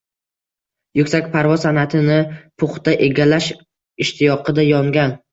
yuksak parvoz san’atini puxta egallash ishtiyoqida yongan